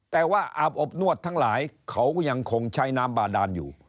แต่ว่าอาบอบนวดทั้งหลายเขายังคงใช้น้ำบาดานอยู่